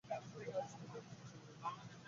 সাজ্জাদ হোসেনের বিরুক্তির সীমা রইল না।